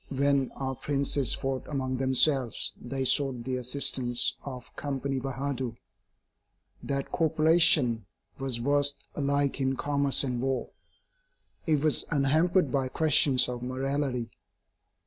When our princes fought among themselves, they sought the assistance of Company Bahadur. That corporation was versed alike in commerce and war. It was unhampered by questions of morality.